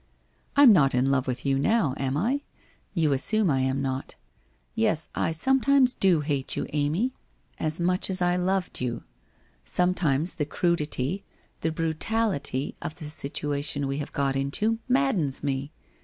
' I'm not in love with you now, am I ? You assume I am not. Yes, I sometimes do hate you, Amy, as much as I 330 WHITE ROSE OF WEARY LEAF loved you. Sometimes the crudity, the brutality of the sit uation we have got into, maddens me.